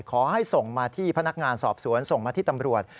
ขอให้ส่งมาที่พนักงานสอบสวนส่งมาที่ตำรวจ